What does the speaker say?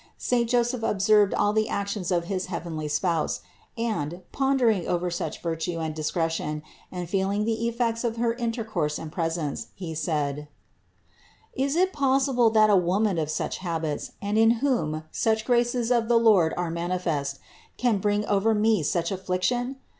Saint Joseph observed all the actions of his heavenly Spouse, and, pondering over such virtue and discretion and feel ing the effects of her intercourse and presence, he said: "Is it possible that a Woman of such habits, and in whom such graces of the Lord are manifest, can bring over 314 CITY OF GOD me such affliction